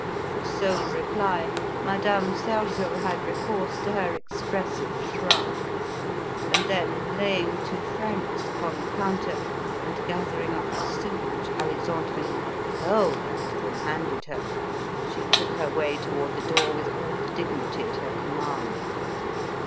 For sole reply Madame Sergeot had recourse to her expressive shrug, and then laying two francs upon the counter, and gathering up the sous which Alexandrine rather hurled at than handed her, she took her way toward the door with all the dignity at her command.